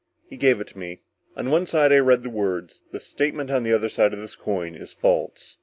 He gave it to me. On one side I read the words: THE STATEMENT ON THE OTHER SIDE OF THIS COIN IS FALSE.